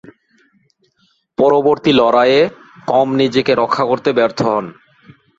পরবর্তী লড়াইয়ে কম নিজেকে রক্ষা করতে ব্যর্থ হন।